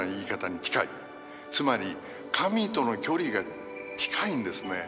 つまり神との距離が近いんですね。